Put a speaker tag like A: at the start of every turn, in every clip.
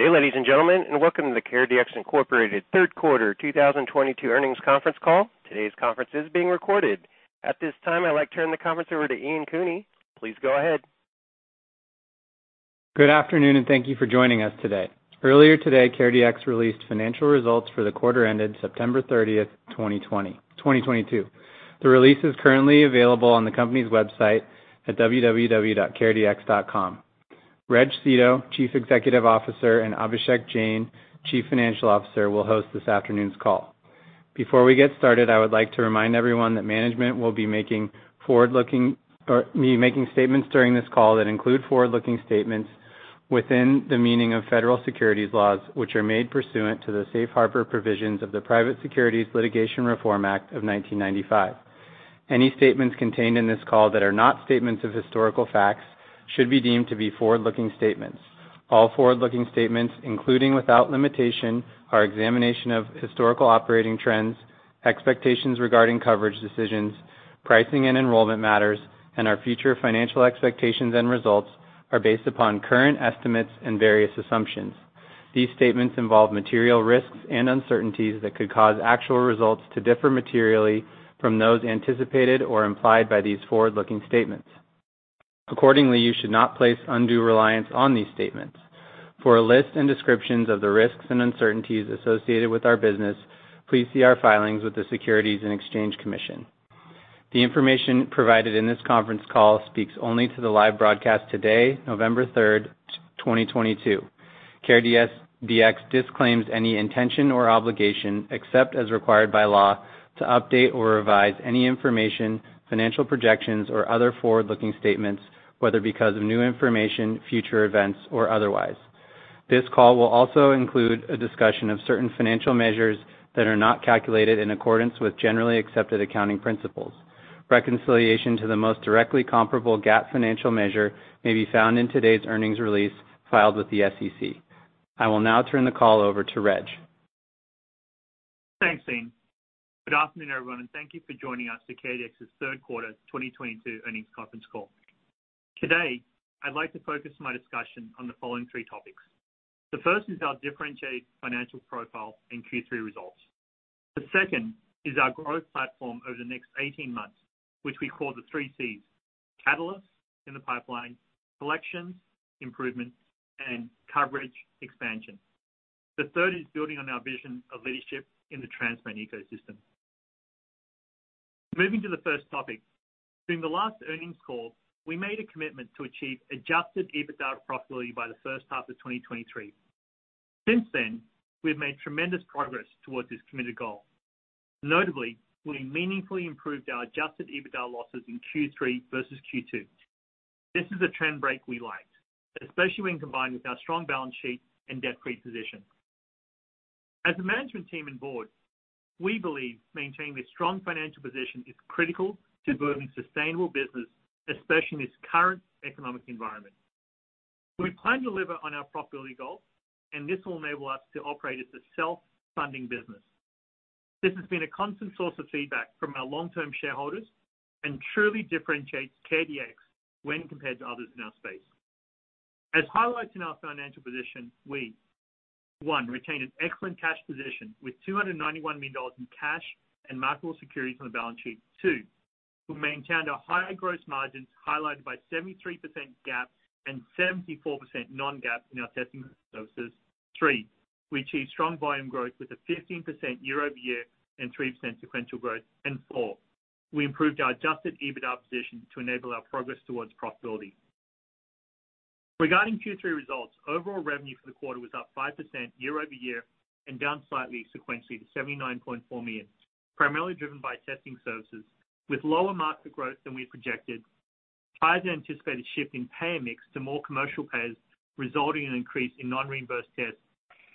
A: Good day, ladies and gentlemen, and welcome to the CareDx, Inc. third quarter 2022 earnings conference call. Today's conference is being recorded. At this time, I'd like to turn the conference over to Ian Cooney. Please go ahead.
B: Good afternoon, and thank you for joining us today. Earlier today, CareDx released financial results for the quarter ended September thirtieth, 2022. The release is currently available on the company's website at www.careDx.com. Reg Seeto, Chief Executive Officer, and Abhishek Jain, Chief Financial Officer, will host this afternoon's call. Before we get started, I would like to remind everyone that management will be making forward-looking statements during this call that include forward-looking statements within the meaning of federal securities laws, which are made pursuant to the Safe Harbor provisions of the Private Securities Litigation Reform Act of 1995. Any statements contained in this call that are not statements of historical facts should be deemed to be forward-looking statements. All forward-looking statements, including without limitation, our examination of historical operating trends, expectations regarding coverage decisions, pricing and enrollment matters, and our future financial expectations and results are based upon current estimates and various assumptions. These statements involve material risks and uncertainties that could cause actual results to differ materially from those anticipated or implied by these forward-looking statements. Accordingly, you should not place undue reliance on these statements. For a list and descriptions of the risks and uncertainties associated with our business, please see our filings with the Securities and Exchange Commission. The information provided in this conference call speaks only to the live broadcast today, November 3, 2022. CareDx disclaims any intention or obligation, except as required by law, to update or revise any information, financial projections or other forward-looking statements, whether because of new information, future events, or otherwise. This call will also include a discussion of certain financial measures that are not calculated in accordance with generally accepted accounting principles. Reconciliation to the most directly comparable GAAP financial measure may be found in today's earnings release filed with the SEC. I will now turn the call over to Reg.
C: Thanks, Ian. Good afternoon, everyone, and thank you for joining us to CareDx's third quarter 2022 earnings conference call. Today, I'd like to focus my discussion on the following three topics. The first is our differentiated financial profile in Q3 results. The second is our growth platform over the next 18 months, which we call the three Cs, catalysts in the pipeline, collections improvement, and coverage expansion. The third is building on our vision of leadership in the transplant ecosystem. Moving to the first topic. During the last earnings call, we made a commitment to achieve adjusted EBITDA profitability by the first half of 2023. Since then, we've made tremendous progress towards this committed goal. Notably, we meaningfully improved our adjusted EBITDA losses in Q3 versus Q2. This is a trend break we liked, especially when combined with our strong balance sheet and debt-free position. As a management team and board, we believe maintaining this strong financial position is critical to building sustainable business, especially in this current economic environment. We plan to deliver on our profitability goals, and this will enable us to operate as a self-funding business. This has been a constant source of feedback from our long-term shareholders and truly differentiates CareDx when compared to others in our space. As highlights in our financial position, we, one, retain an excellent cash position with $291 million in cash and marketable securities on the balance sheet. Two, we've maintained our high gross margins, highlighted by 73% GAAP and 74% non-GAAP in our testing services. Three, we achieved strong volume growth with a 15% year-over-year and 3% sequential growth. Four, we improved our adjusted EBITDA position to enable our progress towards profitability. Regarding Q3 results, overall revenue for the quarter was up 5% year-over-year and down slightly sequentially to $79.4 million. Primarily driven by testing services with lower market growth than we projected. Higher than anticipated shift in payer mix to more commercial payers, resulting in an increase in non-reimbursed tests.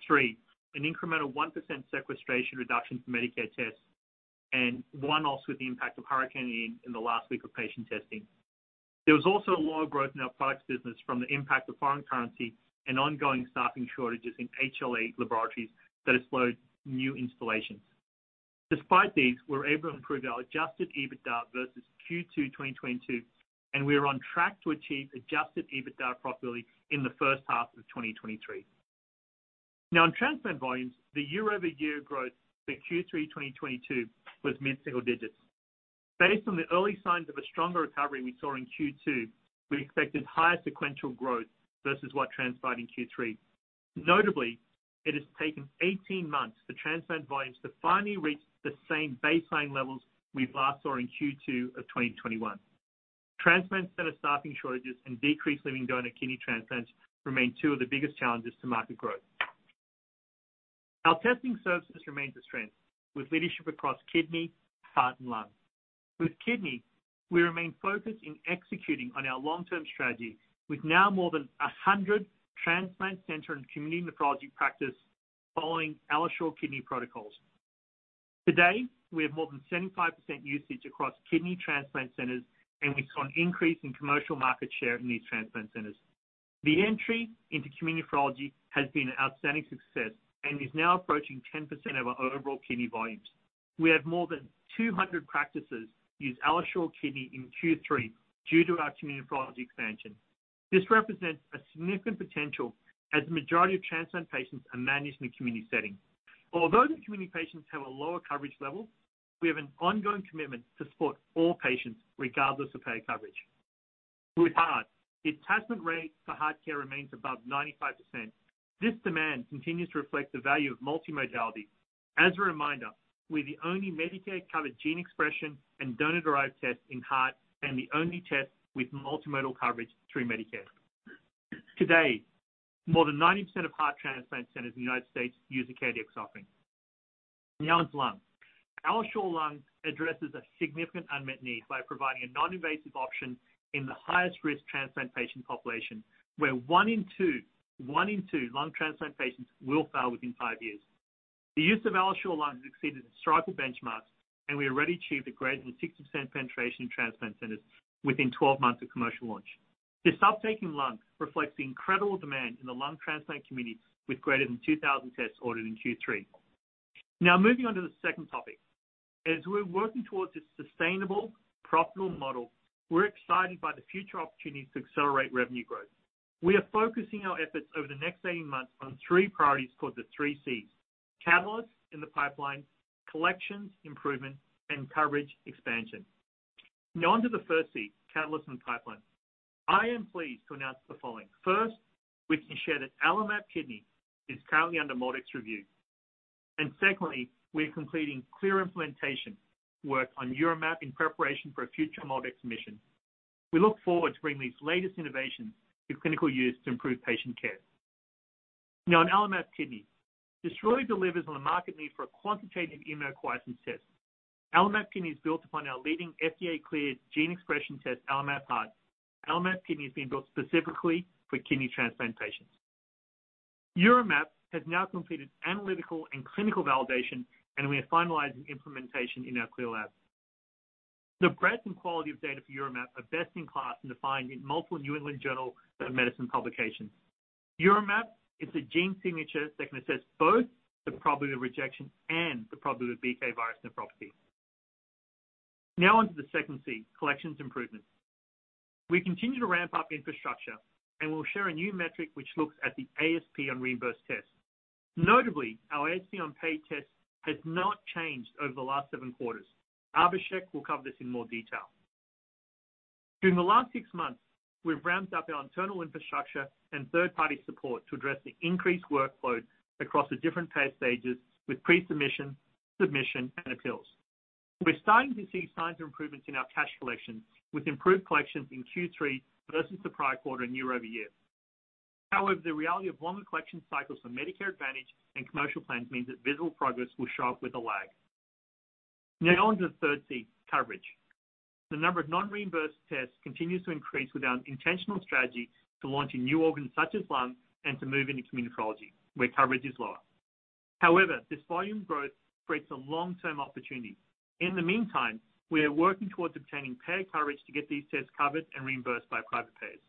C: The incremental 1% sequestration reduction for Medicare tests. Another, also with the impact of Hurricane Ian in the last week of patient testing. There was also a lower growth in our products business from the impact of foreign currency and ongoing staffing shortages in HLA laboratories that have slowed new installations. Despite these, we were able to improve our adjusted EBITDA versus Q2 2022, and we are on track to achieve adjusted EBITDA profitability in the first half of 2023. Now on transplant volumes, the year-over-year growth for Q3 2022 was mid-single digits. Based on the early signs of a stronger recovery we saw in Q2, we expected higher sequential growth versus what transpired in Q3. Notably, it has taken 18 months for transplant volumes to finally reach the same baseline levels we last saw in Q2 of 2021. Transplant center staffing shortages and decreased living donor kidney transplants remain two of the biggest challenges to market growth. Our testing services remains a strength, with leadership across kidney, heart, and lung. With kidney, we remain focused in executing on our long-term strategy, with now more than 100 transplant center and community nephrology practice following AlloSure Kidney protocols. Today, we have more than 75% usage across kidney transplant centers, and we saw an increase in commercial market share in these transplant centers. The entry into community nephrology has been an outstanding success and is now approaching 10% of our overall kidney volumes. We have more than 200 practices use AlloSure Kidney in Q3 due to our community nephrology expansion. This represents a significant potential as the majority of transplant patients are managed in a community setting. Although the community patients have a lower coverage level, we have an ongoing commitment to support all patients regardless of payer coverage. With heart, the attachment rate for HeartCare remains above 95%. This demand continues to reflect the value of multimodality. As a reminder, we're the only Medicare-covered gene expression and donor-derived test in heart, and the only test with multimodal coverage through Medicare. Today, more than 90% of heart transplant centers in the United States use a CareDx offering. Now on to lung. AlloSure Lung addresses a significant unmet need by providing a non-invasive option in the highest-risk transplant patient population, where one in two lung transplant patients will fail within five years. The use of AlloSure Lung has exceeded its trial benchmarks, and we already achieved greater than 60% penetration in transplant centers within 12 months of commercial launch. This uptake in lung reflects the incredible demand in the lung transplant community with greater than 2,000 tests ordered in Q3. Now, moving on to the second topic. As we're working towards a sustainable, profitable model, we're excited by the future opportunities to accelerate revenue growth. We are focusing our efforts over the next 18 months on three priorities called the three Cs, catalysts in the pipeline, collections improvement, and coverage expansion. Now on to the first C, catalysts in pipeline. I am pleased to announce the following. First, we can share that AlloMap Kidney is currently under MolDX review. Secondly, we are completing CLIA implementation work on UroMap in preparation for a future MolDX submission. We look forward to bringing these latest innovations to clinical use to improve patient care. Now on AlloMap Kidney. This really delivers on the market need for a quantitative immunoquiescence test. AlloMap Kidney is built upon our leading FDA-cleared gene expression test, AlloMap Heart. AlloMap Kidney is being built specifically for kidney transplant patients. UroMap has now completed analytical and clinical validation, and we are finalizing implementation in our CLIA lab. The breadth and quality of data for UroMap are best in class and defined in multiple New England Journal of Medicine publications. UroMap is a gene signature that can assess both the probability of rejection and the probability of BK virus nephropathy. Now onto the second C, collections improvement. We continue to ramp up infrastructure, and we'll share a new metric which looks at the ASP on reimbursed tests. Notably, our ASP on paid tests has not changed over the last seven quarters. Abhishek will cover this in more detail. During the last six months, we've ramped up our internal infrastructure and third-party support to address the increased workload across the different pay stages with pre-submission, submission, and appeals. We're starting to see signs of improvements in our cash collection, with improved collections in Q3 versus the prior quarter and year-over-year. However, the reality of longer collection cycles for Medicare Advantage and commercial plans means that visible progress will show up with a lag. Now on to the third C, coverage. The number of non-reimbursed tests continues to increase with our intentional strategy to launching new organs such as lung and to move into community nephrology, where coverage is lower. However, this volume growth creates a long-term opportunity. In the meantime, we are working towards obtaining payer coverage to get these tests covered and reimbursed by private payers.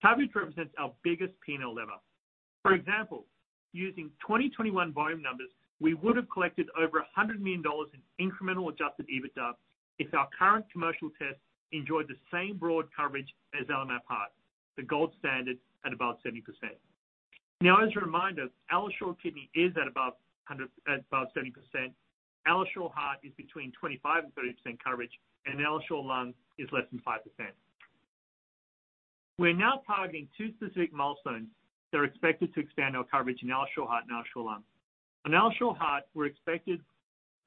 C: Coverage represents our biggest P&L lever. For example, using 2021 volume numbers, we would have collected over $100 million in incremental adjusted EBITDA if our current commercial test enjoyed the same broad coverage as AlloMap Heart, the gold standard at above 70%. Now, as a reminder, AlloSure Kidney is at above 70%, AlloSure Heart is between 25%-30% coverage, and AlloSure Lung is less than 5%. We're now targeting two specific milestones that are expected to expand our coverage in AlloSure Heart and AlloSure Lung. On AlloSure Heart, we're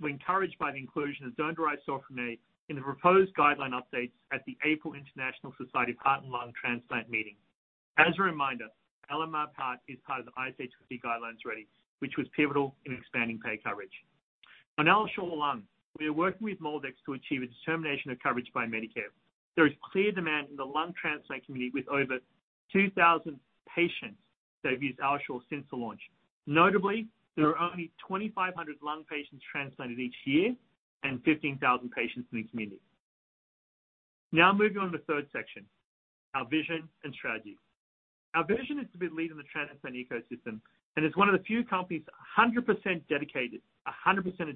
C: encouraged by the inclusion of donor-derived cell-free DNA in the proposed guideline updates at the April International Society for Heart and Lung Transplantation Meeting. As a reminder, AlloMap Heart is part of the ISHLT guidelines already, which was pivotal in expanding payer coverage. On AlloSure Lung, we are working with MolDX to achieve a determination of coverage by Medicare. There is clear demand in the lung transplant community with over 2,000 patients that have used AlloSure since the launch. Notably, there are only 2,500 lung patients transplanted each year and 15,000 patients in the community. Now moving on to the third section, our vision and strategy. Our vision is to be the lead in the transplant ecosystem, and as one of the few companies 100%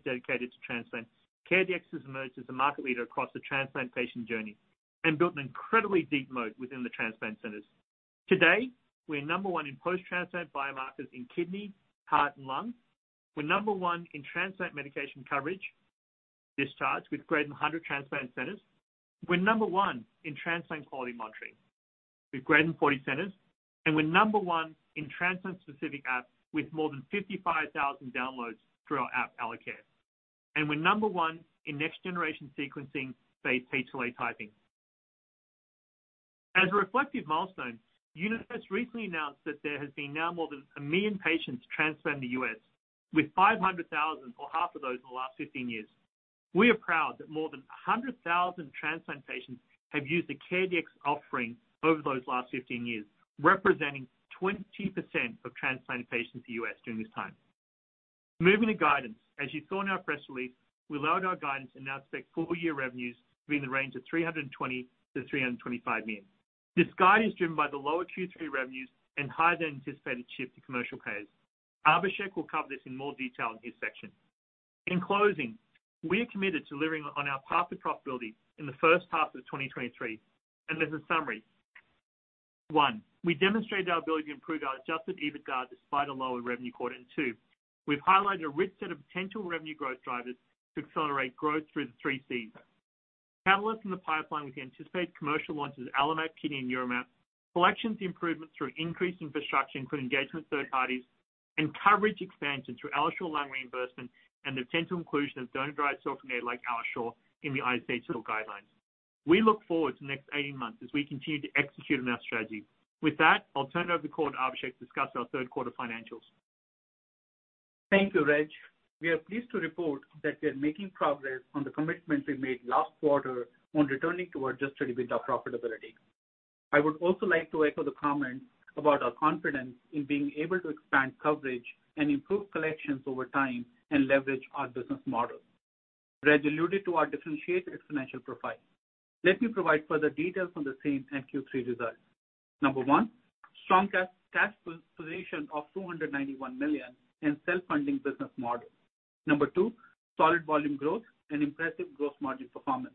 C: dedicated to transplant, CareDx has emerged as a market leader across the transplant patient journey and built an incredibly deep moat within the transplant centers. Today, we're number one in post-transplant biomarkers in kidney, heart, and lung. We're number one in transplant medication coverage discharge with greater than 100 transplant centers. We're number one in transplant quality monitoring with greater than 40 centers. We're number one in transplant-specific apps with more than 55,000 downloads through our app, AlloCare. We're number one in next-generation sequencing, say, HLA typing. As a reflective milestone, UNOS recently announced that there has been now more than 1 million patients transplanted in the US, with 500,000 or half of those in the last 15 years. We are proud that more than 100,000 transplant patients have used a CareDx offering over those last 15 years, representing 20% of transplanted patients in the U.S. during this time. Moving to guidance. As you saw in our press release. We lowered our guidance and now expect full year revenues to be in the range of $320 million-$325 million. This guide is driven by the lower Q3 revenues and higher than anticipated shift to commercial payers. Abhishek will cover this in more detail in his section. In closing, we are committed to delivering on our path to profitability in the first half of 2023, and there's a summary. One, we demonstrated our ability to improve our adjusted EBITDA despite a lower revenue quarter. Two, we've highlighted a rich set of potential revenue growth drivers to accelerate growth through the three Cs. Catalysts in the pipeline with the anticipated commercial launches of AlloSure Kidney and UroMap, collections improvements through increased infrastructure, including engagement with third parties, and coverage expansion through AlloSure Lung reimbursement and the potential inclusion of donor-derived cell-free DNA like AlloSure in the ISHLT clinical guidelines. We look forward to the next 18 months as we continue to execute on our strategy. With that, I'll turn it over to Abhishek to discuss our third quarter financials.
D: Thank you, Reg. We are pleased to report that we are making progress on the commitments we made last quarter on returning to our adjusted EBITDA profitability. I would also like to echo the comments about our confidence in being able to expand coverage and improve collections over time and leverage our business model. Reg alluded to our differentiated financial profile. Let me provide further details on the same and Q3 results. Number one, strong cash position of $291 million in self-funding business model. Number two, solid volume growth and impressive gross margin performance.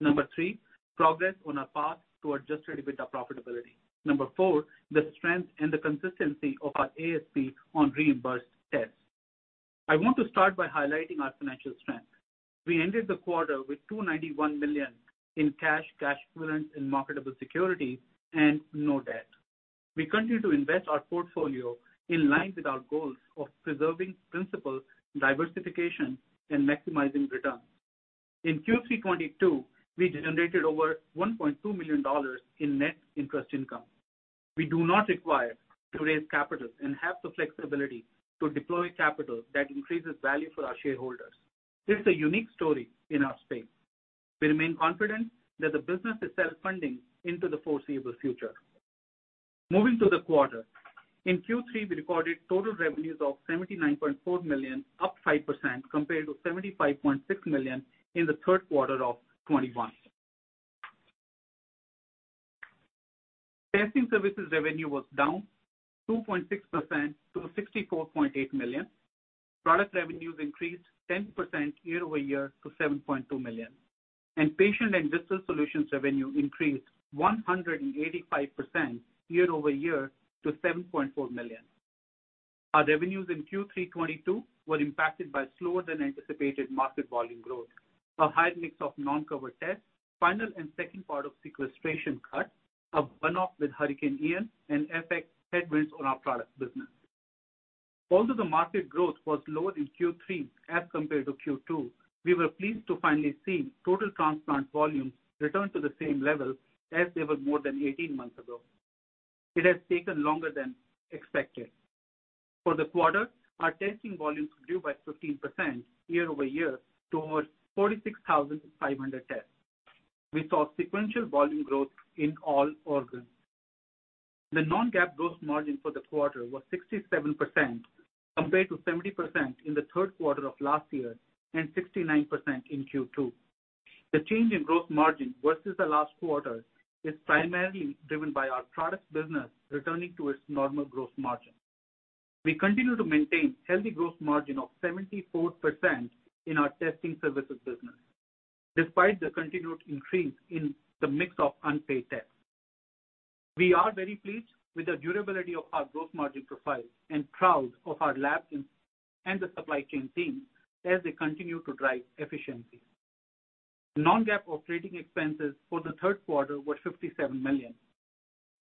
D: Number three, progress on our path to adjusted EBITDA profitability. Number four, the strength and the consistency of our ASP on reimbursed tests. I want to start by highlighting our financial strength. We ended the quarter with $291 million in cash equivalents, and marketable securities and no debt. We continue to invest our portfolio in line with our goals of preserving principal diversification and maximizing returns. In Q3 2022, we generated over $1.2 million in net interest income. We do not require to raise capital and have the flexibility to deploy capital that increases value for our shareholders. This is a unique story in our space. We remain confident that the business is self-funding into the foreseeable future. Moving to the quarter. In Q3, we recorded total revenues of $79.4 million, up 5% compared to $75.6 million in the third quarter of 2021. Testing services revenue was down 2.6% to $64.8 million. Product revenues increased 10% year-over-year to $7.2 million. Patient and business solutions revenue increased 185% year-over-year to $7.4 million. Our revenues in Q3 2022 were impacted by slower than anticipated market volume growth, a higher mix of non-covered tests, final and second part of sequestration cuts, a burn off with Hurricane Ian, and FX headwinds on our product business. Although the market growth was lower in Q3 as compared to Q2, we were pleased to finally see total transplant volumes return to the same level as they were more than 18 months ago. It has taken longer than expected. For the quarter, our testing volumes grew by 15% year-over-year to over 46,500 tests. We saw sequential volume growth in all organs. The non-GAAP gross margin for the quarter was 67% compared to 70% in the third quarter of last year and 69% in Q2. The change in gross margin versus the last quarter is primarily driven by our products business returning to its normal gross margin. We continue to maintain healthy gross margin of 74% in our testing services business, despite the continued increase in the mix of unpaid tests. We are very pleased with the durability of our gross margin profile and proud of our lab and the supply chain team as they continue to drive efficiency. Non-GAAP operating expenses for the third quarter were $57 million,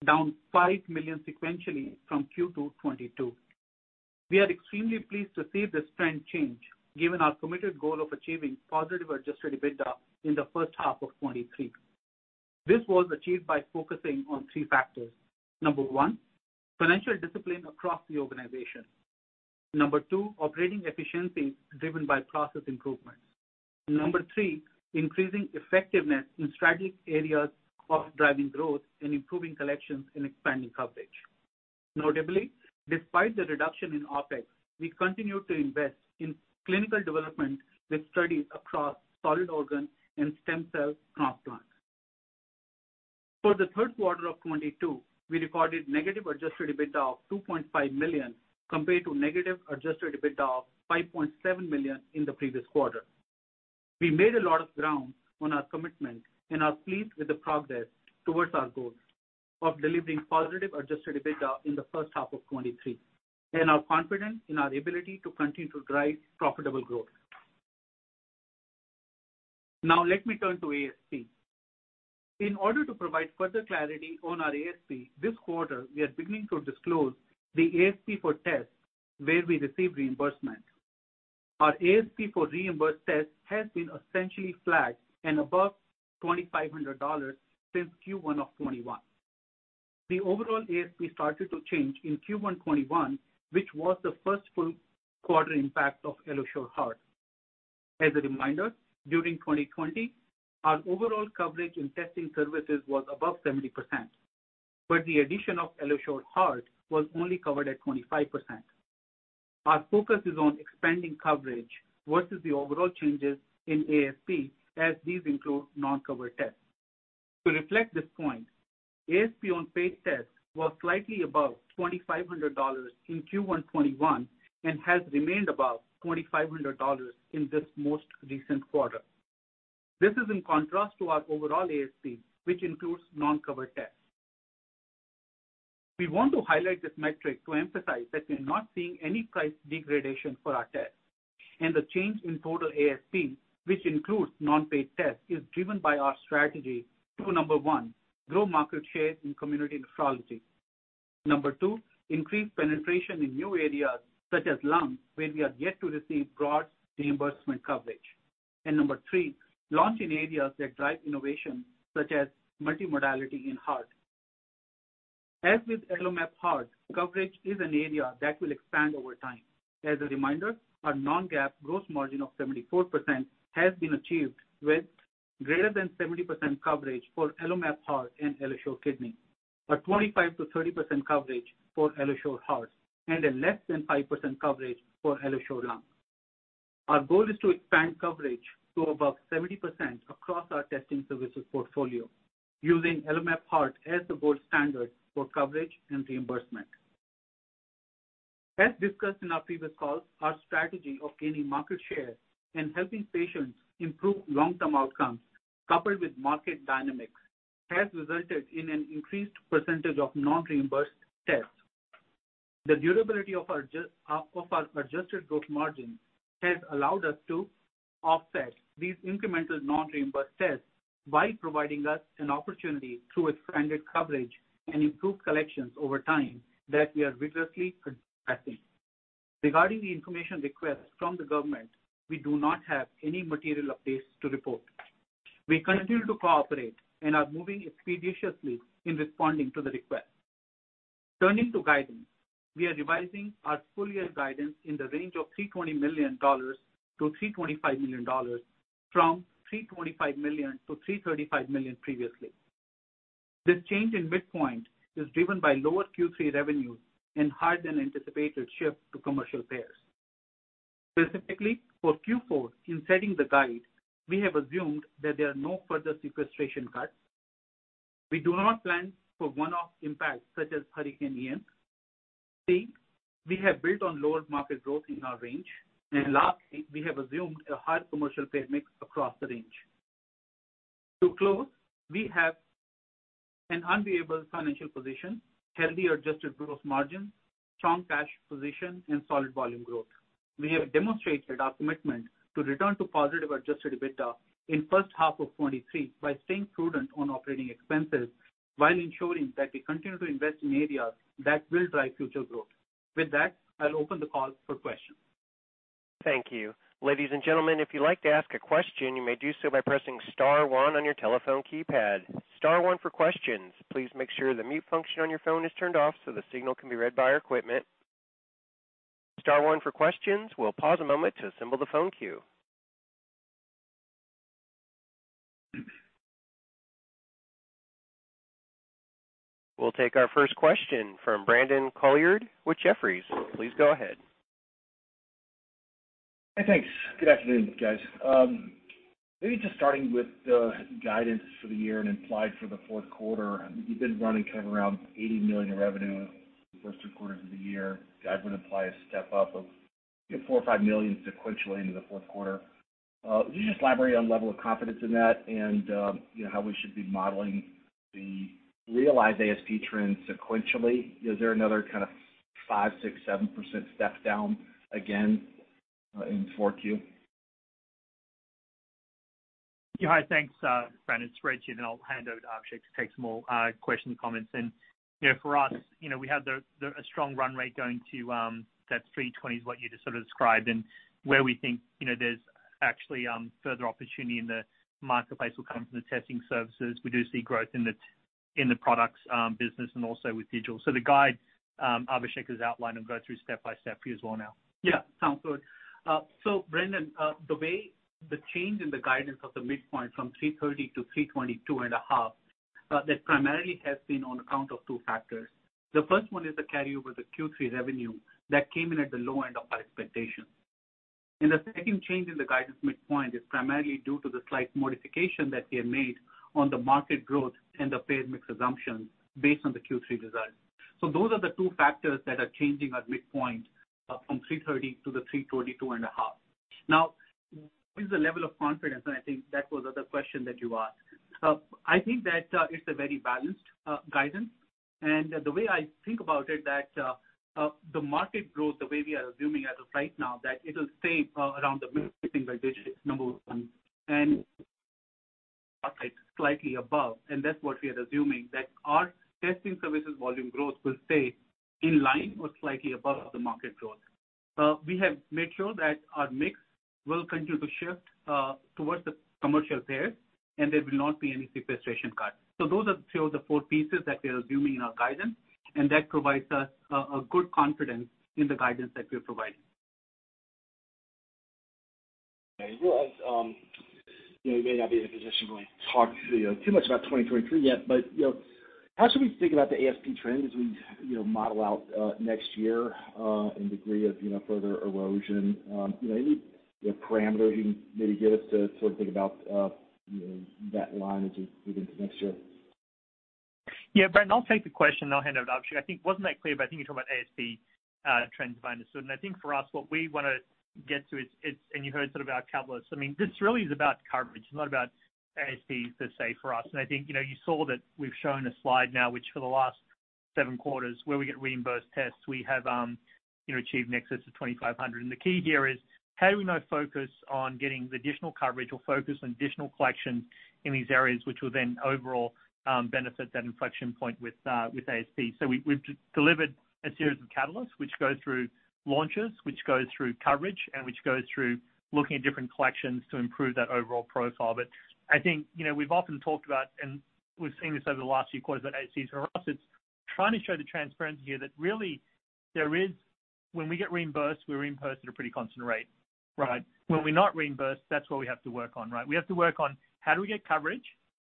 D: down $5 million sequentially from Q2 2022. We are extremely pleased to see this trend change given our committed goal of achieving positive adjusted EBITDA in the first half of 2023. This was achieved by focusing on three factors. Number one, financial discipline across the organization. Number two, operating efficiencies driven by process improvement. Number three, increasing effectiveness in strategic areas of driving growth and improving collections and expanding coverage. Notably, despite the reduction in OpEx, we continue to invest in clinical development with studies across solid organ and stem cell transplants. For the third quarter of 2022, we recorded negative adjusted EBITDA of $2.5 million, compared to negative adjusted EBITDA of $5.7 million in the previous quarter. We made a lot of ground on our commitment and are pleased with the progress towards our goal of delivering positive adjusted EBITDA in the first half of 2023, and are confident in our ability to continue to drive profitable growth. Now let me turn to ASP. In order to provide further clarity on our ASP this quarter, we are beginning to disclose the ASP for tests where we receive reimbursement. Our ASP for reimbursed tests has been essentially flat and above $2,500 since Q1 of 2021. The overall ASP started to change in Q1 2021, which was the first full quarter impact of AlloSure Heart. As a reminder, during 2020, our overall coverage in testing services was above 70%. But the addition of AlloSure Heart was only covered at 25%. Our focus is on expanding coverage versus the overall changes in ASP, as these include non-covered tests. To reflect this point, ASP on paid tests was slightly above $2,500 in Q1 2021 and has remained above $2,500 in this most recent quarter. This is in contrast to our overall ASP, which includes non-covered tests. We want to highlight this metric to emphasize that we're not seeing any price degradation for our tests, and the change in total ASP, which includes non-paid tests, is driven by our strategy to, number one, grow market share in community nephrology. Number two, increase penetration in new areas such as lung, where we are yet to receive broad reimbursement coverage. Number three, launch in areas that drive innovation such as multimodality in heart. As with AlloMap Heart, coverage is an area that will expand over time. As a reminder, our non-GAAP gross margin of 74% has been achieved with greater than 70% coverage for AlloMap Heart and AlloSure Kidney, a 25%-30% coverage for AlloSure Heart, and a less than 5% coverage for AlloSure Lung. Our goal is to expand coverage to above 70% across our testing services portfolio using AlloMap Heart as the gold standard for coverage and reimbursement. As discussed in our previous calls, our strategy of gaining market share and helping patients improve long-term outcomes coupled with market dynamics has resulted in an increased percentage of non-reimbursed tests. The durability of our adjusted growth margin has allowed us to offset these incremental non-reimbursed tests while providing us an opportunity through expanded coverage and improved collections over time that we are vigorously progressing. Regarding the information request from the government, we do not have any material updates to report. We continue to cooperate and are moving expeditiously in responding to the request. Turning to guidance, we are revising our full year guidance in the range of $320 million-$325 million from $325 million-$335 million previously. This change in midpoint is driven by lower Q3 revenues and higher than anticipated shift to commercial payers. Specifically, for Q4, in setting the guidance, we have assumed that there are no further sequestration cuts. We do not plan for one-off impacts such as Hurricane Ian. We have built in lower market growth in our range. Lastly, we have assumed a higher commercial payer mix across the range. To close, we have an unbeatable financial position, healthy adjusted gross margin, strong cash position and solid volume growth. We have demonstrated our commitment to return to positive adjusted EBITDA in first half of 2023 by staying prudent on operating expenses while ensuring that we continue to invest in areas that will drive future growth. With that, I'll open the call for questions.
A: Thank you. Ladies and gentlemen, if you'd like to ask a question, you may do so by pressing star one on your telephone keypad. Star one for questions. Please make sure the mute function on your phone is turned off so the signal can be read by our equipment. Star one for questions. We'll pause a moment to assemble the phone queue. We'll take our first question from Brandon Couillard with Jefferies. Please go ahead.
E: Hey, thanks. Good afternoon, guys. Maybe just starting with the guidance for the year and implied for the fourth quarter. You've been running kind of around $80 million in revenue the first three quarters of the year. That would imply a step up of, you know, $4 million or $5 million sequentially into the fourth quarter. Can you just elaborate on level of confidence in that and, you know, how we should be modeling the realized ASP trends sequentially? Is there another kind of 5%, 6%, 7% step down again in 4Q?
C: Yeah. Hi. Thanks, Brandon. It's Reg, and I'll hand over to Abhishek to take some more questions and comments. You know, for us, you know, we have a strong run rate going to that $320 is what you just sort of described. Where we think, you know, there's actually further opportunity in the marketplace will come from the testing services. We do see growth in the products business and also with digital. The guide Abhishek has outlined and go through step-by-step for you as well now.
D: Yeah. Sounds good. Brandon, the way the change in the guidance of the midpoint from $330 to $322.5, that primarily has been on account of two factors. The first one is the carryover, the Q3 revenue that came in at the low end of our expectations. The second change in the guidance midpoint is primarily due to the slight modification that we have made on the market growth and the payer mix assumptions based on the Q3 results. Those are the two factors that are changing our midpoint from $330 to the $322.5. Now what is the level of confidence? I think that was the other question that you asked. I think that it's a very balanced guidance. The way I think about it that, the market growth, the way we are assuming as of right now, that it'll stay around the one and slightly above. That's what we are assuming, that our testing services volume growth will stay in line or slightly above the market growth. We have made sure that our mix will continue to shift towards the commercial payers and there will not be any sequestration cut. Those are two of the four pieces that we are assuming in our guidance, and that provides us a good confidence in the guidance that we're providing.
E: Well, you know, you may not be in a position to really talk, you know, too much about 2023 yet, but, you know, how should we think about the ASP trend as we, you know, model out next year, and degree of, you know, further erosion, you know, any, you know, parameters you can maybe give us to sort of think about, you know, that line as we get into next year?
C: Yeah, Brandon Couillard, I'll take the question, and I'll hand it over to Abhishek Jain. I think it wasn't that clear, but I think you're talking about ASP trends, if I understood. I think for us, what we wanna get to is, it's, and you heard sort of our catalysts. I mean, this really is about coverage. It's not about ASP per se for us. I think, you know, you saw that we've shown a slide now, which for the last seven quarters where we get reimbursed tests, we have, you know, achieved in excess of $2,500. The key here is how do we now focus on getting the additional coverage or focus on additional collection in these areas which will then overall, benefit that inflection point with ASP. We've delivered a series of catalysts which go through launches, which go through coverage, and which go through looking at different collections to improve that overall profile. I think, you know, we've often talked about, and we've seen this over the last few quarters at AS. For us, it's trying to show the transparency here that really there is. When we get reimbursed, we're reimbursed at a pretty constant rate, right? When we're not reimbursed, that's where we have to work on, right? We have to work on how do we get coverage,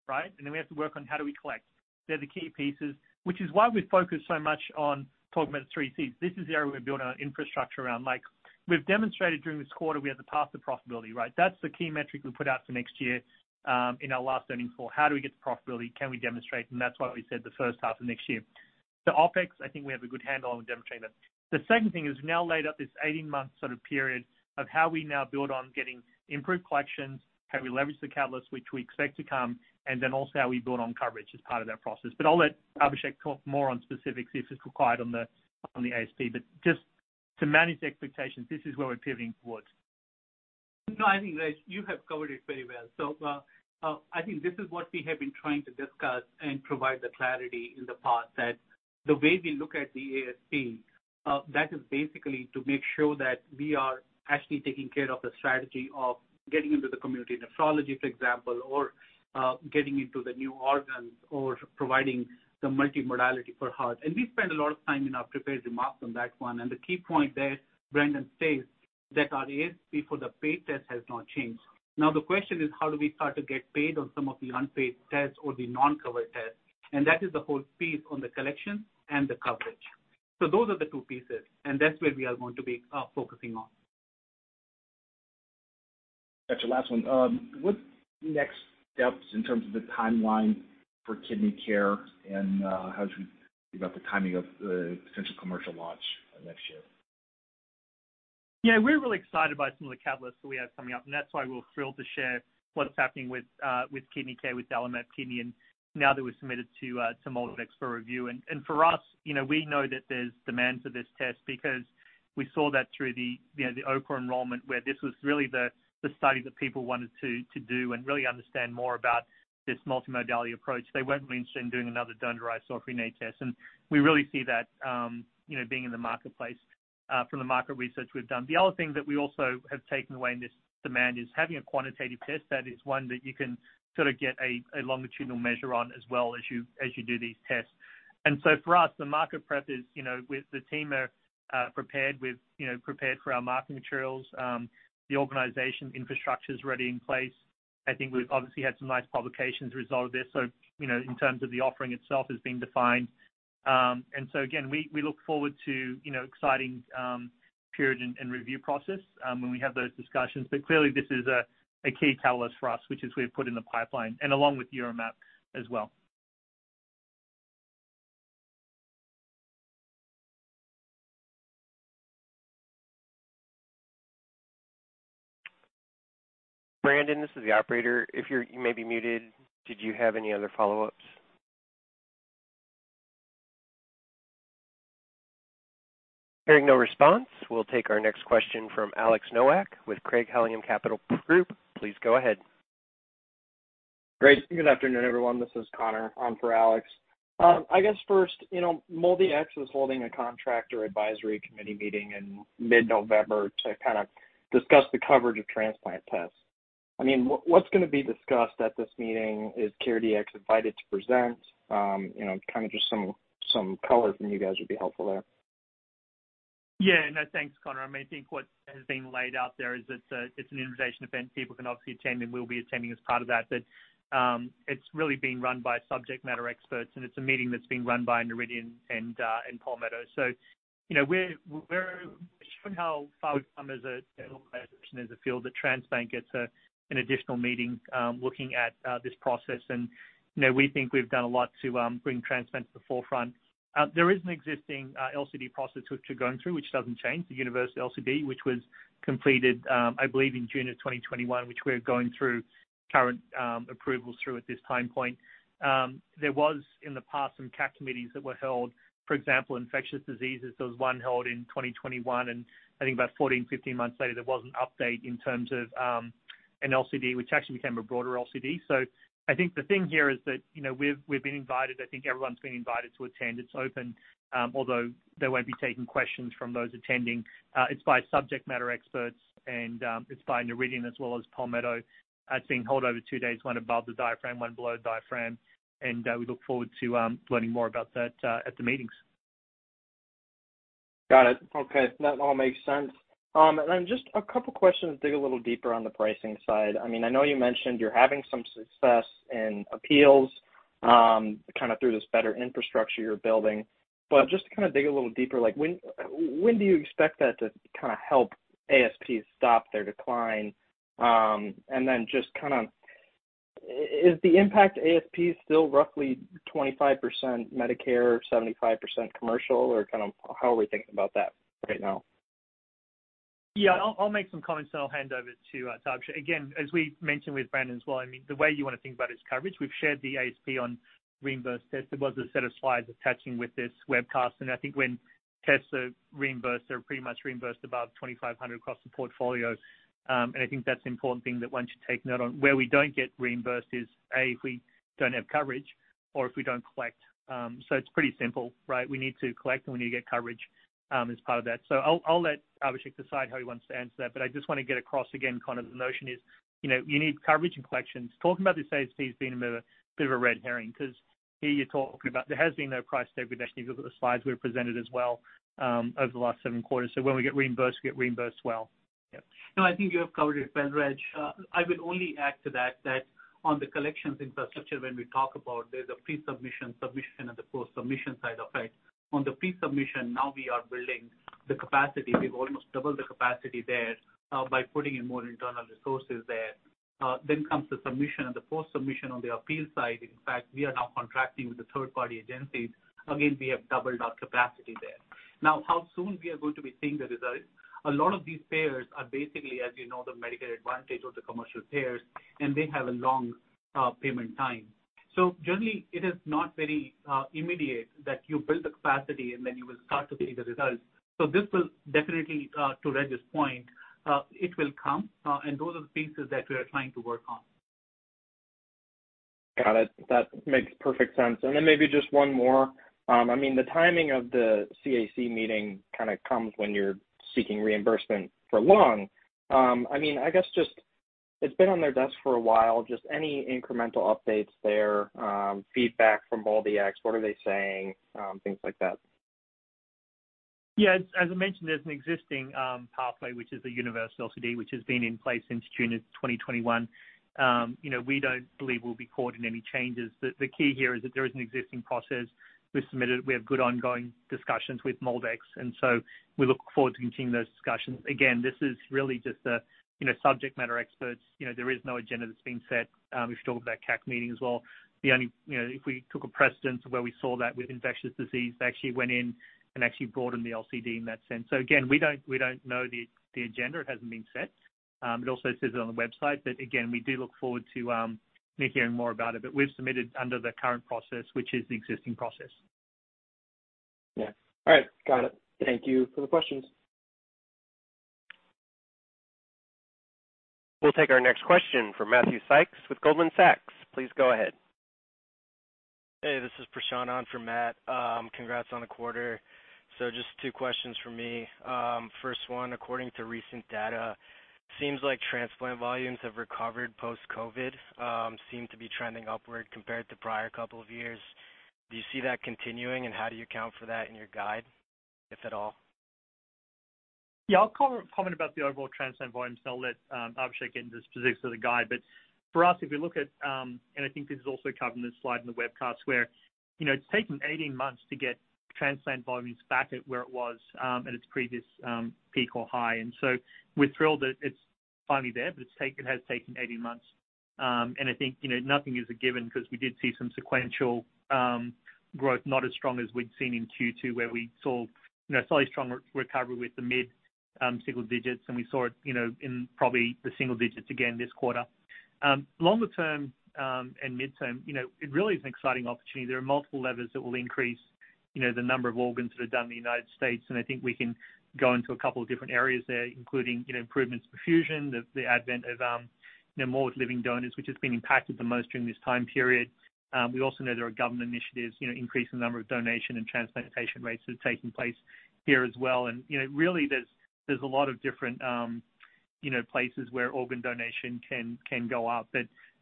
C: right? And then we have to work on how do we collect. They're the key pieces, which is why we focus so much on talking about the three Cs. This is the area we're building our infrastructure around. Like, we've demonstrated during this quarter, we have the path to profitability, right? That's the key metric we put out for next year in our last earnings call. How do we get to profitability? Can we demonstrate? That's why we said the first half of next year. The OpEx, I think we have a good handle on demonstrating that. The second thing is we've now laid out this 18-month sort of period of how we now build on getting improved collections. How do we leverage the catalysts which we expect to come, and then also how we build on coverage as part of that process. I'll let Abhishek talk more on specifics, if it's required on the ASP. Just to manage the expectations, this is where we're pivoting towards.
D: No, I think, Reg, you have covered it very well. I think this is what we have been trying to discuss and provide the clarity in the past, that the way we look at the ASP, that is basically to make sure that we are actually taking care of the strategy of getting into the community nephrology, for example, or getting into the new organs or providing the multimodality for heart. We spend a lot of time in our prepared remarks on that one. The key point there, Brandon, says that our ASP for the paid test has not changed. Now the question is how do we start to get paid on some of the unpaid tests or the non-covered tests? That is the whole piece on the collection and the coverage. Those are the two pieces, and that's where we are going to be, focusing on.
E: Got you. Last one. What next steps in terms of the timeline for KidneyCare, and how should we think about the timing of the potential commercial launch next year?
C: Yeah, we're really excited by some of the catalysts that we have coming up, and that's why we're thrilled to share what's happening with KidneyCare, with AlloMap Kidney, and now that we've submitted to MolDX for review. For us, you know, we know that there's demand for this test because we saw that through the OKRA enrollment, where this was really the study that people wanted to do and really understand more about this multimodality approach. They weren't really interested in doing another dd-cfDNA test. We really see that, you know, being in the marketplace from the market research we've done. The other thing that we also have taken away in this demand is having a quantitative test that is one that you can sort of get a longitudinal measure on as well as you do these tests. For us, the market prep with the team are prepared for our marketing materials. The organization infrastructure is already in place. I think we've obviously had some nice publications result of this. In terms of the offering itself has been defined. Again, we look forward to exciting period and review process when we have those discussions. Clearly this is a key catalyst for us, which is we've put in the pipeline and along with UroMap as well.
A: Brandon, this is the operator. You may be muted. Did you have any other follow-ups? Hearing no response, we'll take our next question from Alex Nowak with Craig-Hallum Capital Group. Please go ahead.
F: Great. Good afternoon, everyone. This is Connor on for Alex. I guess first, you know, MolDX is holding a Contractor Advisory Committee meeting in mid-November to kind of discuss the coverage of transplant tests. I mean, what's gonna be discussed at this meeting? Is CareDx invited to present? You know, kind of just some color from you guys would be helpful there.
C: Yeah. No, thanks, Connor. I mean, I think what has been laid out there is it's an invitation event people can obviously attend, and we'll be attending as part of that. It's really being run by subject matter experts, and it's a meeting that's being run by Noridian and Palmetto. You know, we're showing how far we've come as an organization, as a field that transplant gets an additional meeting looking at this process. You know, we think we've done a lot to bring transplant to the forefront. There is an existing LCD process which we're going through, which doesn't change the universal LCD, which was completed, I believe in June 2021, which we're going through current approvals through at this time point. There was in the past some CAC committees that were held, for example, infectious diseases. There was one held in 2021, and I think about 14-15 months later, there was an update in terms of, an LCD, which actually became a broader LCD. I think the thing here is that, you know, we've been invited. I think everyone's been invited to attend. It's open, although they won't be taking questions from those attending. It's by subject matter experts and, it's by Noridian as well as Palmetto. It's being held over two days, one above the diaphragm, one below diaphragm. We look forward to learning more about that at the meetings.
F: Got it. Okay, that all makes sense. Just a couple questions, dig a little deeper on the pricing side. I mean, I know you mentioned you're having some success in appeals, kinda through this better infrastructure you're building. Just to kinda dig a little deeper, like when do you expect that to kinda help ASP stop their decline? Just kinda, is the impact ASP still roughly 25% Medicare, 75% commercial, or kind of how are we thinking about that right now?
C: Yeah. I'll make some comments, then I'll hand over to Abhishek. Again, as we mentioned with Brandon as well, I mean, the way you wanna think about is coverage. We've shared the ASP on reimbursed tests. There was a set of slides attaching with this webcast, and I think when tests are reimbursed, they're pretty much reimbursed above $2,500 across the portfolio. I think that's an important thing that one should take note on. Where we don't get reimbursed is, A, if we don't have coverage or if we don't collect. It's pretty simple, right? We need to collect, and we need to get coverage, as part of that. I'll let Abhishek decide how he wants to answer that, but I just wanna get across again, kind of the notion is, you know, you need coverage and collections. Talking about these ASPs being a bit of a red herring 'cause here you're talking about there has been no price degradation. If you look at the slides we presented as well, over the last seven quarters. When we get reimbursed, we get reimbursed well. Yeah.
D: No, I think you have covered it well, Reg. I would only add to that on the collections infrastructure, when we talk about there's a pre-submission, submission, and the post-submission side of it. On the pre-submission, now we are building the capacity. We've almost doubled the capacity there, by putting in more internal resources there. Then comes the submission and the post submission on the appeal side. In fact, we are now contracting with the third-party agencies. Again, we have doubled our capacity there. Now, how soon we are going to be seeing the results? A lot of these payers are basically, as you know, the Medicare Advantage or the commercial payers, and they have a long, payment time. So generally, it is not very, immediate that you build the capacity and then you will start to see the results. This will definitely, to Reg's point, it will come, and those are the pieces that we are trying to work on.
F: Got it. That makes perfect sense. Maybe just one more. I mean, the timing of the CAC meeting kinda comes when you're seeking reimbursement for lung. I mean, I guess just it's been on their desk for a while. Just any incremental updates there, feedback from MolDX, what are they saying, things like that.
C: Yeah. As I mentioned, there's an existing pathway, which is a universal LCD, which has been in place since June of 2021. You know, we don't believe we'll be caught in any changes. The key here is that there is an existing process we submitted. We have good ongoing discussions with MolDX, and we look forward to continuing those discussions. Again, this is really just a you know, subject matter experts. You know, there is no agenda that's been set. We've talked about CAC meeting as well. The only you know, if we took a precedent where we saw that with infectious disease, they actually went in and actually broadened the LCD in that sense. Again, we don't know the agenda. It hasn't been set. It also says it on the website. Again, we do look forward to hearing more about it. We've submitted under the current process, which is the existing process.
F: Yeah. All right. Got it. Thank you for the questions.
A: We'll take our next question from Matthew Sykes with Goldman Sachs. Please go ahead.
G: Hey, this is Prashant on for Matt. Congrats on the quarter. Just two questions from me. First one, according to recent data, seems like transplant volumes have recovered post-COVID, seem to be trending upward compared to prior couple of years. Do you see that continuing, and how do you account for that in your guide, if at all?
C: Yeah. I'll comment about the overall transplant volumes, then I'll let Abhishek get into specifics of the guide. For us, if we look at, and I think this is also covered in the slide in the webcast, where, you know, it's taken 18 months to get transplant volumes back at where it was, at its previous peak or high. We're thrilled that it's finally there, but it has taken 18 months. I think, you know, nothing is a given 'cause we did see some sequential growth not as strong as we'd seen in Q2, where we saw, you know, slightly stronger recovery with the mid single digits, and we saw it, you know, in probably the single digits again this quarter. Longer term, midterm, you know, it really is an exciting opportunity. There are multiple levers that will increase, you know, the number of organs that are done in the United States, and I think we can go into a couple of different areas there, including, you know, improvements to perfusion, the advent of, you know, more living donors, which has been impacted the most during this time period. We also know there are government initiatives, you know, increasing the number of donation and transplantation rates that are taking place here as well. You know, really, there's a lot of different, you know, places where organ donation can go up.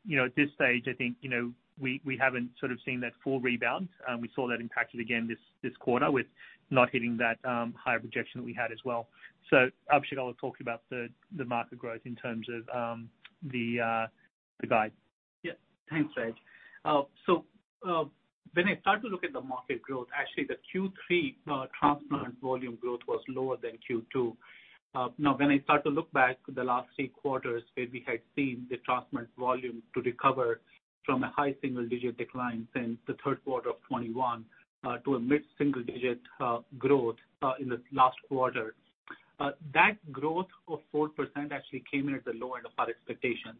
C: You know, at this stage, I think, you know, we haven't sort of seen that full rebound. We saw that impacted again this quarter with not hitting that higher projection that we had as well. Abhishek will talk about the market growth in terms of the guide.
D: Yeah. Thanks, Reg. So, when I start to look at the market growth, actually the Q3 transplant volume growth was lower than Q2. Now, when I start to look back the last three quarters where we had seen the transplant volume to recover from a high single-digit decline since the third quarter of 2021, to a mid-single digit growth in the last quarter. That growth of 4% actually came in at the lower end of our expectations,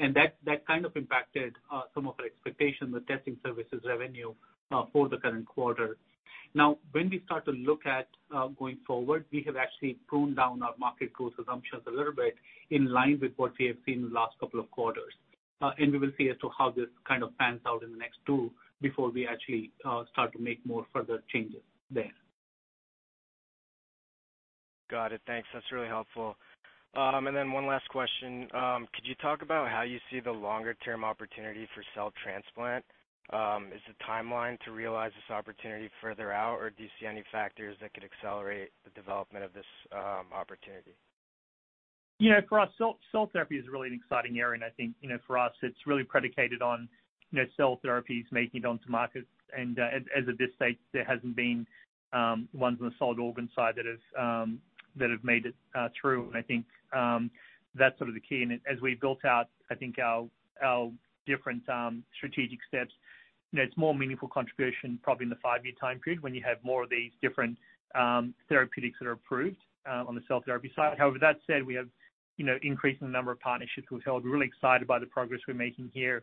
D: and that kind of impacted some of our expectations with testing services revenue for the current quarter. Now, when we start to look at going forward, we have actually pruned down our market growth assumptions a little bit in line with what we have seen in the last couple of quarters. We will see as to how this kind of pans out in the next two before we actually start to make more further changes there.
G: Got it. Thanks. That's really helpful. One last question. Could you talk about how you see the longer-term opportunity for cell transplant? Is the timeline to realize this opportunity further out, or do you see any factors that could accelerate the development of this opportunity?
C: Yeah, for us, cell therapy is really an exciting area, and I think, you know, for us, it's really predicated on, you know, cell therapies making it onto markets. As of this stage, there hasn't been ones on the solid organ side that have made it through. I think that's sort of the key. As we built out, I think our different strategic steps, you know, it's more meaningful contribution probably in the five-year time period when you have more of these different therapeutics that are approved on the cell therapy side. However, that said, we have, you know, increasing the number of partnerships we've held. We're really excited by the progress we're making here.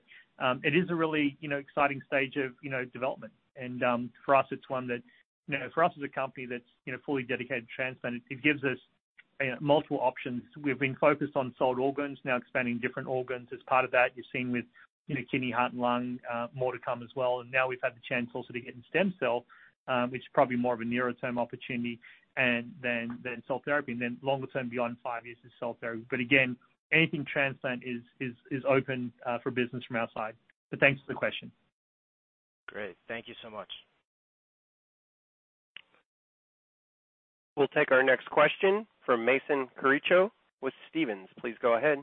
C: It is a really, you know, exciting stage of, you know, development. For us, it's one that, you know, for us as a company that's, you know, fully dedicated to transplant, it gives us multiple options. We've been focused on solid organs now expanding different organs. As part of that, you're seeing with, you know, kidney, heart, and lung, more to come as well. Now we've had the chance also to get in stem cell, which is probably more of a nearer-term opportunity than cell therapy. Then longer term, beyond five years is cell therapy. But again, anything transplant is open for business from our side. Thanks for the question.
G: Great. Thank you so much.
A: We'll take our next question from Mason Carrico with Stephens. Please go ahead.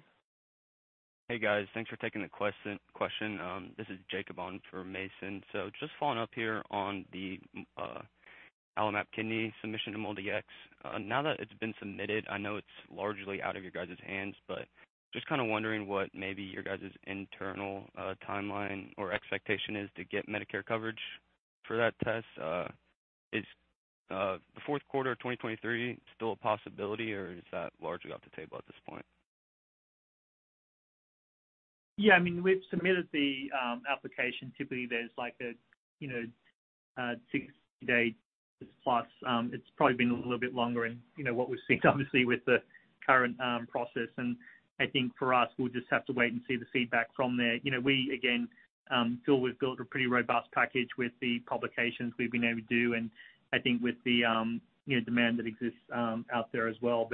H: Hey, guys. Thanks for taking the question. This is Jacob on for Mason. Just following up here on the AlloMap Kidney submission to MolDX. Now that it's been submitted, I know it's largely out of your guys' hands, but just kinda wondering what maybe your guys' internal timeline or expectation is to get Medicare coverage for that test. Is the fourth quarter of 2023 still a possibility, or is that largely off the table at this point?
C: Yeah, I mean, we've submitted the application. Typically, there's like a, you know, a 60-day plus, it's probably been a little bit longer in, you know, what we've seen obviously with the current process. I think for us, we'll just have to wait and see the feedback from there. You know, we again feel we've built a pretty robust package with the publications we've been able to do and I think with the, you know, demand that exists out there as well.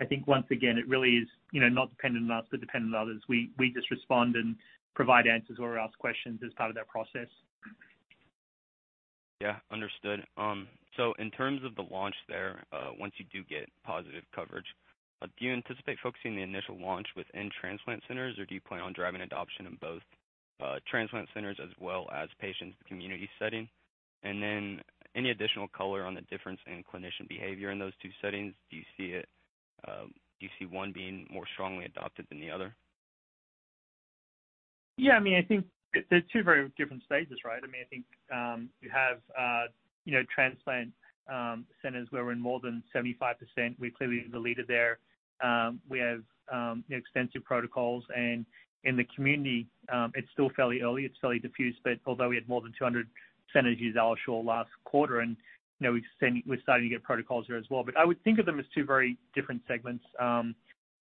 C: I think once again, it really is, you know, not dependent on us, but dependent on others. We just respond and provide answers or ask questions as part of that process.
H: Yeah, understood. In terms of the launch there, once you do get positive coverage, do you anticipate focusing the initial launch within transplant centers, or do you plan on driving adoption in both transplant centers as well as patients in the community setting? And then any additional color on the difference in clinician behavior in those two settings? Do you see one being more strongly adopted than the other?
C: Yeah, I mean, I think they're two very different stages, right? I mean, I think you have, you know, transplant centers where we're in more than 75%. We're clearly the leader there. We have extensive protocols. In the community, it's still fairly early. It's fairly diffused. Although we had more than 200 centers use AlloSure last quarter, and, you know, we're starting to get protocols there as well. I would think of them as two very different segments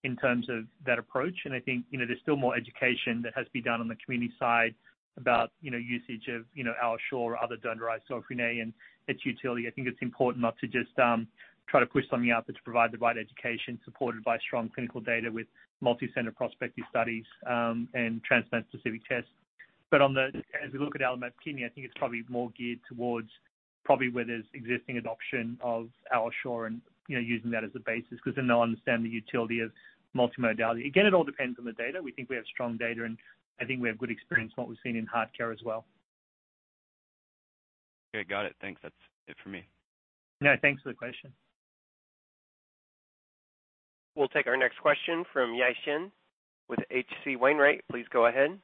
C: in terms of that approach. I think, you know, there's still more education that has to be done on the community side about, you know, usage of, you know, AlloSure or other donor-derived cell-free DNA and its utility. I think it's important not to just try to push something out, but to provide the right education supported by strong clinical data with multi-center prospective studies and transplant-specific tests. As we look at AlloMap Kidney, I think it's probably more geared towards where there's existing adoption of AlloSure and, you know, using that as a basis because then they'll understand the utility of multimodality. Again, it all depends on the data. We think we have strong data, and I think we have good experience in what we've seen in HeartCare as well.
H: Okay. Got it. Thanks. That's it for me.
C: No, thanks for the question.
A: We'll take our next question from Yi Chen with H.C. Wainwright. Please go ahead.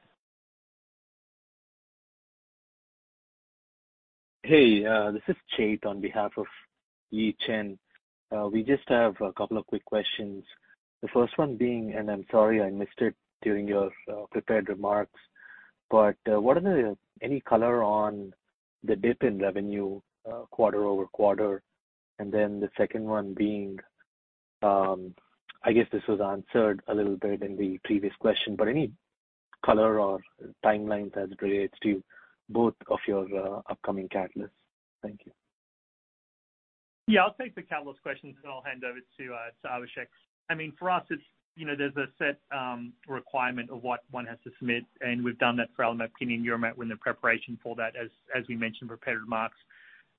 I: Hey, this is Chee on behalf of Yi Chen. We just have a couple of quick questions. The first one being, I'm sorry I missed it during your prepared remarks, but any color on the dip in revenue quarter-over-quarter? The second one being, I guess this was answered a little bit in the previous question, but any color or timelines as it relates to both of your upcoming catalysts? Thank you.
C: Yeah. I'll take the catalyst questions, then I'll hand over to Abhishek. I mean, for us it's, you know, there's a set requirement of what one has to submit, and we've done that for AlloMap Kidney and UroMap. We're in the preparation for that, as we mentioned in prepared remarks.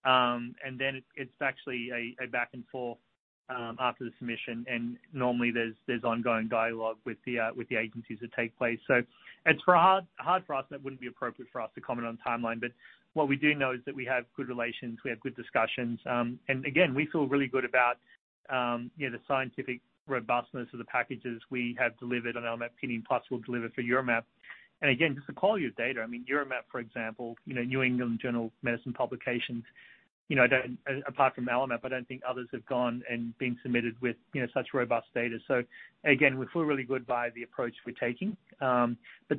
C: And then it's actually a back and forth after the submission, and normally there's ongoing dialogue with the agencies that take place. It's hard for us and it wouldn't be appropriate for us to comment on the timeline, but what we do know is that we have good relations, we have good discussions. And again, we feel really good about, you know, the scientific robustness of the packages we have delivered on AlloMap Kidney and plus we'll deliver for UroMap. Again, just the quality of data. I mean, UroMap, for example, you know, New England Journal of Medicine publications, you know, don't, apart from AlloMap, I don't think others have gone and been submitted with, you know, such robust data. Again, we feel really good about the approach we're taking. The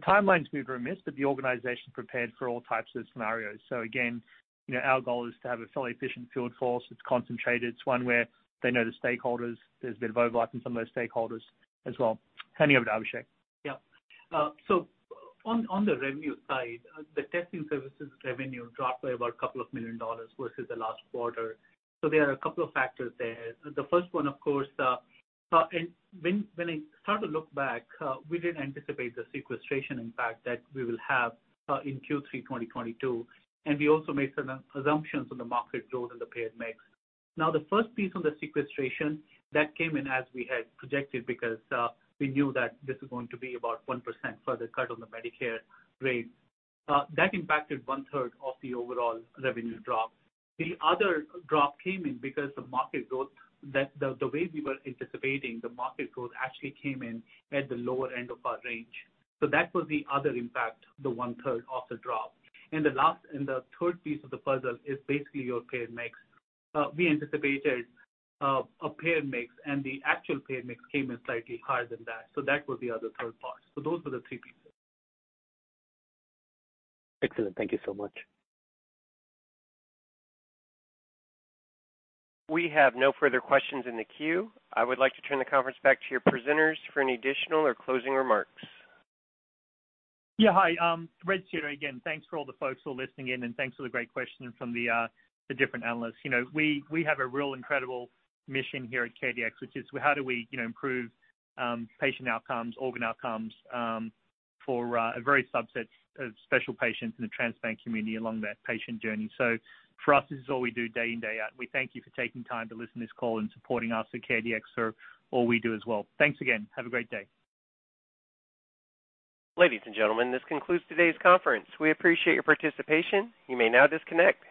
C: timelines we've missed, but the organization is prepared for all types of scenarios. Again, you know, our goal is to have a fairly efficient field force. It's concentrated. It's one where they know the stakeholders. There's a bit of overlap in some of those stakeholders as well. Handing over to Abhishek.
D: Yeah. On the revenue side, the testing services revenue dropped by about $2 million versus the last quarter. There are a couple of factors there. The first one, of course, when I start to look back, we didn't anticipate the sequestration impact that we will have in Q3 2022, and we also made some assumptions on the market growth and the payor mix. Now, the first piece on the sequestration that came in as we had projected because we knew that this is going to be about 1% further cut on the Medicare rate. That impacted one-third of the overall revenue drop. The other drop came in because the way we were anticipating the market growth actually came in at the lower end of our range. That was the other impact, the one-third of the drop. The third piece of the puzzle is basically your paid mix. We anticipated a paid mix, and the actual paid mix came in slightly higher than that. That was the other third part. Those were the three pieces.
I: Excellent. Thank you so much.
A: We have no further questions in the queue. I would like to turn the conference back to your presenters for any additional or closing remarks.
C: Yeah. Hi, Reg Seeto again. Thanks for all the folks who are listening in, and thanks for the great questions from the different analysts. You know, we have a real incredible mission here at CareDx, which is how do we, you know, improve patient outcomes, organ outcomes, for a very subset of special patients in the transplant community along that patient journey. For us, this is all we do day in, day out. We thank you for taking time to listen to this call and supporting us at CareDx for all we do as well. Thanks again. Have a great day.
A: Ladies and gentlemen, this concludes today's conference. We appreciate your participation. You may now disconnect.